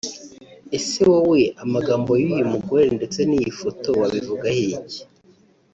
Ese wowe amagambo y'uyu mugore ndetse n'iyi foto wabivugaho iki